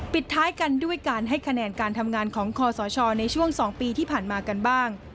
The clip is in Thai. ปิดท้ายกันด้วยการให้คะแนนการทำงานของคอสชในช่วง๒ปีที่ผ่านมากันบ้าง